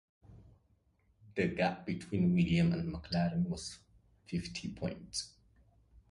The gap between Williams and McLaren was fifty points.